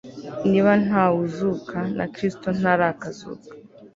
niba nta wuzuka na kristo ntarakazuka